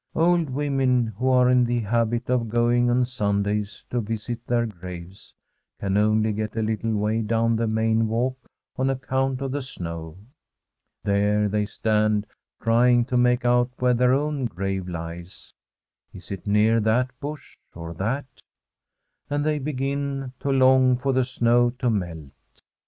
Old women who are in the habit of going on Sundays to visit their graves can only get a little way down the main walk on account of the snow. There they stand, trying to make out where their own grave lies — is it near that bush, or that? — ^and they begin to long for the snow to melt.